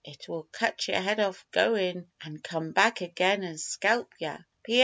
It will cut yer head off goin', an' come back again and skelp yer.